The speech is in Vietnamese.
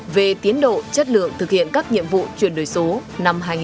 về tiến độ chất lượng thực hiện các nhiệm vụ chuyển đổi số năm hai nghìn hai mươi